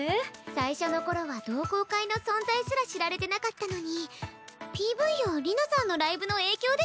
最初の頃は同好会の存在すら知られてなかったのにＰＶや璃奈さんのライブの影響でしょうか。